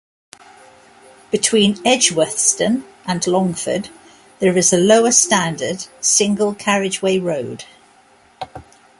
Between Edgeworthstown and Longford, there is a lower standard single carriageway road.